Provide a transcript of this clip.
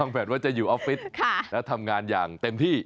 แพลตว่าจะอยู่ออฟฟิศและทำงานอย่างเต็มที่